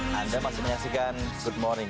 anda masih menyaksikan good morning